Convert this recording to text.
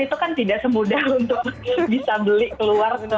itu kan tidak semudah untuk bisa beli keluar gitu